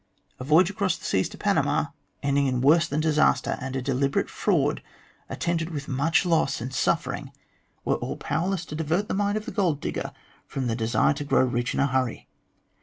A voyage across the seas to Panama, ending in worse than disaster and a deliberate fraud, attended with much loss, and suffering, were all powerless to divert the mind of the gold digger from the desire to grow rich in a hurry.